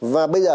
và bây giờ